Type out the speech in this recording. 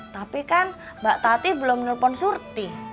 tapi kan mbak tati belum menelpon surti